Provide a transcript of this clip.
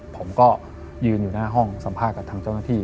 ผมก็ยืนอยู่หน้าห้องสัมภาษณ์กับทางเจ้าหน้าที่